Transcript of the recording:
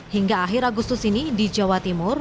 hingga akhir agustus ini di jawa timur